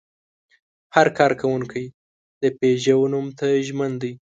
هر کارکوونکی د پيژو نوم ته ژمن دی.